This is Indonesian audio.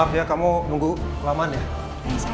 gila gak ardhan tidaknya